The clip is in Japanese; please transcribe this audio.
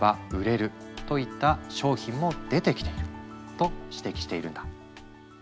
と指摘しているんだ。